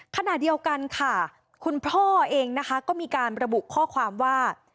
ขณะเดียวกันค่ะคุณพ่อเองนะคะก็มีการระบุข้อความว่า